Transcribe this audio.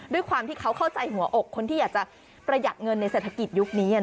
ด้วยความที่เขาเข้าใจหัวอกคนที่อยากจะประหยัดเงินในเศรษฐกิจยุคนี้